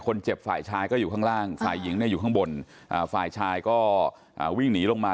ฝ่ายชายก็อยู่ข้างล่างฝ่ายหญิงเนี่ยอยู่ข้างบนฝ่ายชายก็วิ่งหนีลงมา